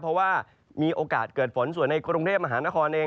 เพราะว่ามีโอกาสเกิดฝนส่วนในกรุงเทพมหานครเอง